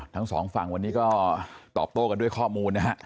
ทั้งสองฝั่งวันนี้ก็ตอบโต้กันด้วยข้อมูลนะฮะ